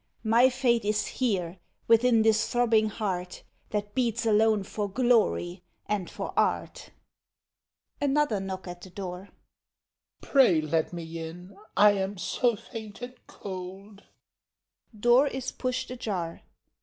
My fate is here, within this throbbing heart That beats alone for glory, and for art. Voice [Another knock at door.] Pray, let me in; I am so faint and cold. [Door is pushed ajar.